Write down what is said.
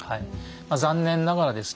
残念ながらですね